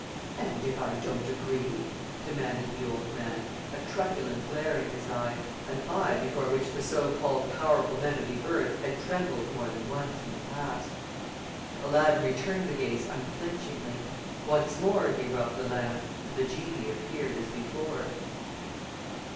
"And if I don't agree?" demanded the old man, a truculent glare in his eye, an eye before which the so called powerful men of the earth had trembled more than once in the past. Aladdin returned the gaze unflinchingly. Once more he rubbed the lamp, and the genie appeared as before.